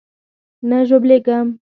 نه ژوبلېږم.